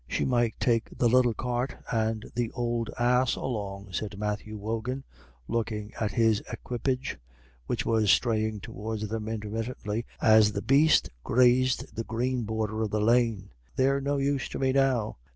"She might take the little cart and the ould ass along," said Matthew Wogan, looking at his equipage, which was straying towards them intermittently as the beast grazed the green border of the lane. "They're no use to me now.